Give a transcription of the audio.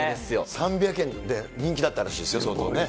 ３００円で人気だったらしいですよ、相当ね。